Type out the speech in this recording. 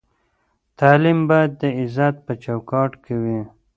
تعلیم باید د عزت په چوکاټ کې وي.